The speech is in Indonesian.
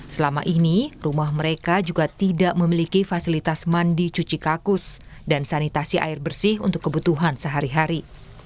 selama ini rumah mereka juga tidak memiliki fasilitas mandi cuci kakus dan sanitasi air bersih untuk kebutuhan sehari hari